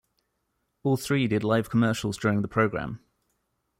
All three did live commercials during the program.